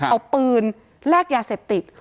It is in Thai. เอาปืนแลกยาเสพติด